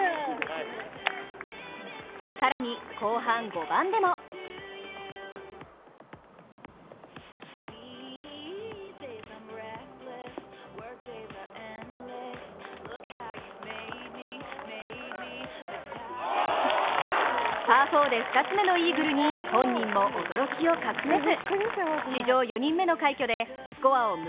更に、後半５番でもパー４で２つ目のイーグルに本人も驚きを隠せず。